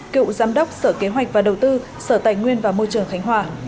cựu giám đốc sở kế hoạch và đầu tư sở tài nguyên và môi trường khánh hòa